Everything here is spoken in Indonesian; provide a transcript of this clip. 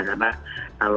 karena kalau mereka harus